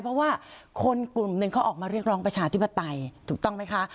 เพราะว่าคนกลุ่มหนึ่งเขาออกมาเรียกร้องประชาธิปไตยถูกต้องไหมคะ